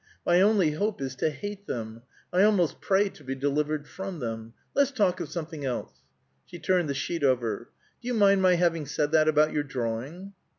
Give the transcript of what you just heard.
"My only hope is to hate them. I almost pray to be delivered from them. Let's talk of something else." She turned the sheet over. "Do you mind my having said that about your drawing?"